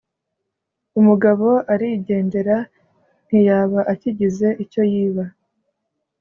Umugabo arigendera, ntiyaba akigize icyo yiba.